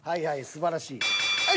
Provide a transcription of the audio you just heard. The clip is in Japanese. すばらしい。